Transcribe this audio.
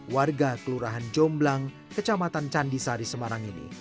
warga kelurahan jomblang kecamatan candisari semarang ini